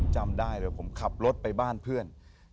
จำได้เลยผมขับรถไปบ้านเพื่อน